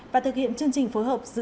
và thực hiện chương trình phối hợp dựa